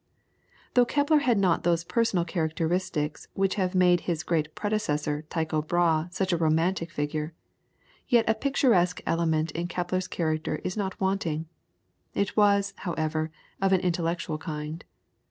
Though Kepler had not those personal characteristics which have made his great predecessor, Tycho Brahe, such a romantic figure, yet a picturesque element in Kepler's character is not wanting. It was, however, of an intellectual kind.